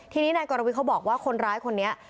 ทีนี้นายกรวิทเขาบอกว่าคนร้ายคนนี้